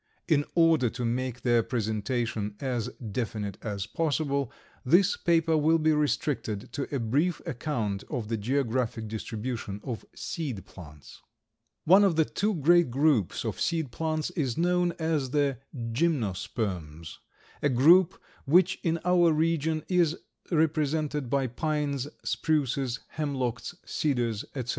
In order to make their presentation as definite as possible, this paper will be restricted to a brief account of the geographic distribution of seed plants. One of the two great groups of seed plants is known as the Gymnosperms, a group which in our region is represented by pines, spruces, hemlocks, cedars, etc.